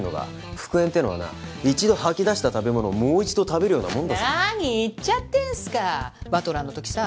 復縁っていうのはな一度吐き出した食べ物をもう一度食べるようなもんだぞ何言っちゃってんすか「バトラー」のときさ